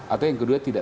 atau yang kedua tidak